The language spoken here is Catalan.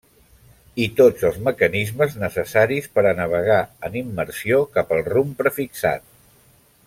I tots els mecanismes necessaris per a navegar en immersió cap al rumb prefixat.